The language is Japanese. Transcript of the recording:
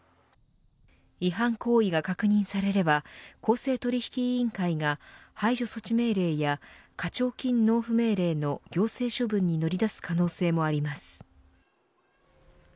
違反行為が確認されれば公正取引委員会が排除措置命令や課徴金納付命令の行政処分に乗り出す可能性もあります。